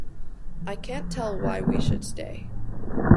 ‘I can’t tell why we should stay.